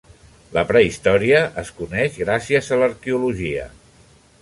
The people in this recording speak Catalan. La prehistòria es coneix gràcies a l'arqueologia.